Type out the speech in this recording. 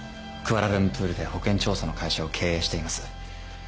クアラルンプールで保険調査の会社を経営しています。